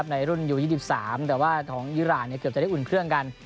ในรุ่นอยู่๒๓แต่ว่าของอีรานเกือบจะได้อุ่นเครื่องกัน